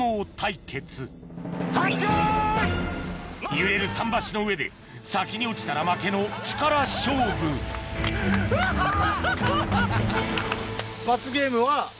揺れる桟橋の上で先に落ちたら負けの力勝負アハハハハ！